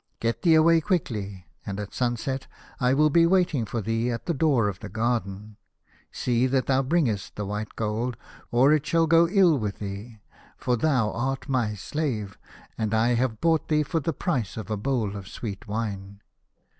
Get thee away quickly, and at sunset I will be waiting for thee at the door of the garden. See that thou bringest the white gold, or it shall go ill with thee, for thou art my slave, and I have bought thee for the price of a bowl of sweet wine."